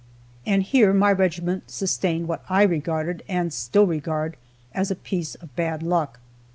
And here my regiment sustained what I regarded, and still regard, as a piece of bad luck.